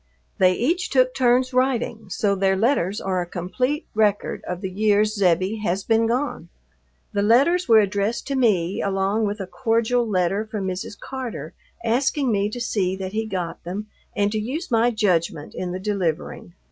They each took turns writing, so their letters are a complete record of the years "Zebbie" has been gone. The letters were addressed to me along with a cordial letter from Mrs. Carter asking me to see that he got them and to use my judgment in the delivering.